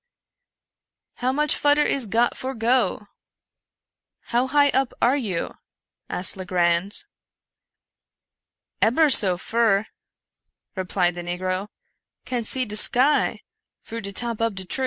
" How much fudder is got for go ?"" How high up are you ?" asked Legrand. " Ebber so fur," replied the negro ;'* can see de sky fru de top ob de tree."